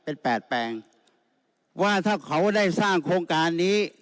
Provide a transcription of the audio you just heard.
เป็นแปดแปลงว่าถ้าเขาได้สร้างโครงการนี้